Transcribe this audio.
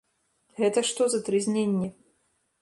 Гэта што за трызненне?